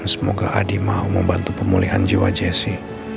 semoga adi mau membantu pemulihan jiwa jessi